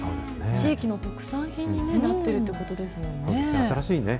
地域の特産品になってるということですからね。